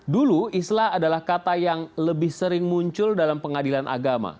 dulu islah adalah kata yang lebih sering muncul dalam pengadilan agama